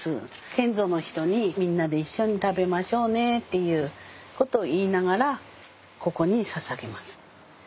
先祖の人にみんなで一緒に食べましょうねっていうことを言いながらここにささげます。